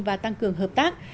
và tăng cường hợp tác